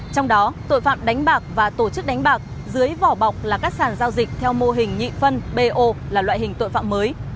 trong đó tội phạm đánh bạc và tổ chức đánh bạc dưới vỏ bọc là các sản giao dịch theo mô hình nhị phân bo là loại hình tội phạm mới